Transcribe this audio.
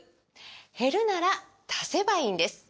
減るなら足せばいいんです！